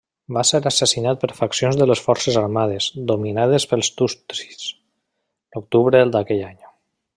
Va ser assassinat per faccions de les Forces Armades, dominades pels Tutsis, l'octubre d'aquell any.